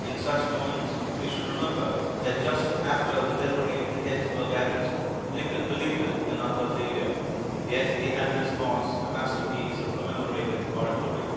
In such moments we should remember that just after the delivery of the Gettysburg Address Lincoln believed it an utter failure. Yet the address was a masterpiece of commemorative oratory.